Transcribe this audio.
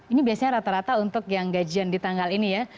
ini biasanya rata rata untuk yang gajian di tanggal ini ya